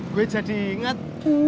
gue jadi inget